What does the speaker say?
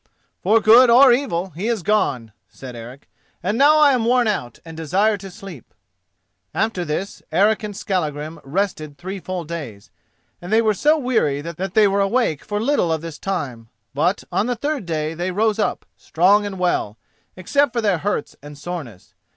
"For good or evil, he is gone," said Eric, "and now I am worn out and desire to sleep." After this Eric and Skallagrim rested three full days, and they were so weary that they were awake for little of this time. But on the third day they rose up, strong and well, except for their hurts and soreness.